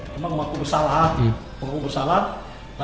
memang aku bersalah aku bersalah